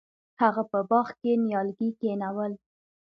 هغه په باغ کې نیالګي کینول.